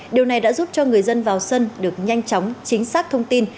điều này đã giúp cho người dân vào sân được nhanh chóng chính xác thông tin